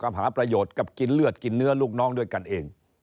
หาประโยชน์กับกินเลือดกินเนื้อลูกน้องด้วยกันเอง